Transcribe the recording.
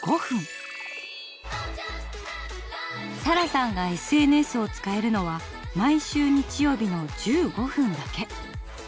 サラさんがＳＮＳを使えるのは毎週日曜日の１５分だけ。